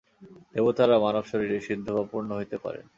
দেবতারা মানব-শরীরেই সিদ্ধ বা পূর্ণ হইতে পারেন।